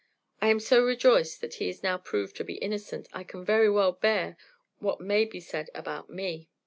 I am so rejoiced that he is now proved to be innocent, I can very well bear what may be said about me."